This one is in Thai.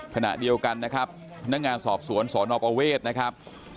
ขณะเดียวกันนะครับพนักงานสอบสวนสนประเวทนะครับ